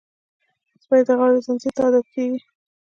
سپي د غاړې زنځیر ته عادت کېږي.